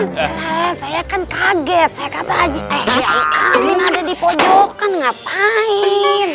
lah saya kan kaget saya kata aja eh kiai amin ada di pojokan ngapain